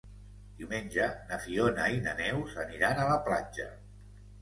Diumenge na Fiona i na Neus aniran a la platja.